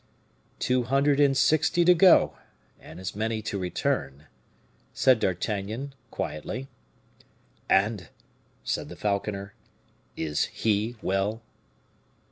"Two hundred and sixty to go, and as many to return," said D'Artagnan, quietly. "And," said the falconer, "is he well?"